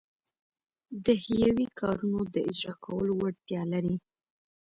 د حیوي کارونو د اجراکولو وړتیا لري.